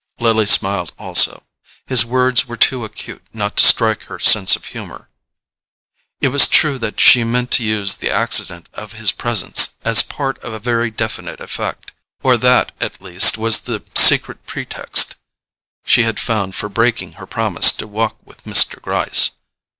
Lily smiled also: his words were too acute not to strike her sense of humour. It was true that she meant to use the accident of his presence as part of a very definite effect; or that, at least, was the secret pretext she had found for breaking her promise to walk with Mr. Gryce.